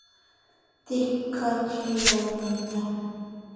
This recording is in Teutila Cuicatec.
Tika chii omiña.